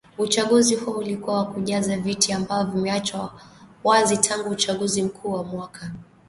uchaguzi huo ulikuwa wa kujaza viti ambavyo vimeachwa wazi tangu uchaguzi mkuu wa mwaka elfu mbili na kumi na nane